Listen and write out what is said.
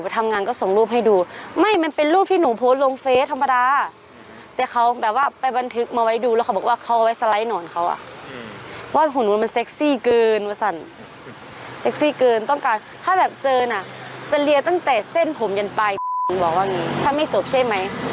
ตั้งแต่เส้นผมยันปลายบอกว่าอย่างงี้ถ้าไม่จบใช่ไหม